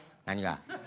何が？